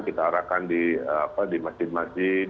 kita arahkan di masjid masjid